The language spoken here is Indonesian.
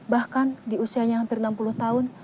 bahkan di usianya hampir enam puluh tahun